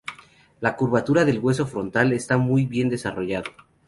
La curvatura del hueso frontal está muy bien desarrollado.